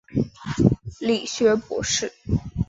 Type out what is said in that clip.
理学博士。